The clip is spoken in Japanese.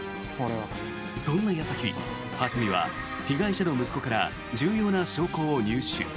そんな矢先、蓮見は被害者の息子から重要な証拠を入手。